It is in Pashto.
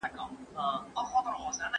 سوله د ماشومانو راتلونکی روښانه کوي.